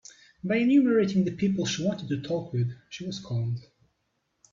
By enumerating the people she wanted to talk with, she was calmed.